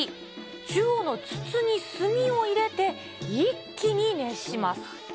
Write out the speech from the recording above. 中央の筒に炭を入れて、一気に熱します。